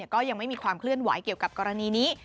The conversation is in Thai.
ก็ยังไม่มีความเคลื่อนไหวเกี่ยวกับกรณีนี้